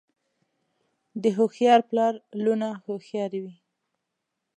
د هوښیار پلار لوڼه هوښیارې وي.